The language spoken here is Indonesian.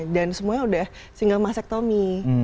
dan semuanya udah single mastectomy